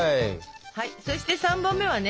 そして３本目はね。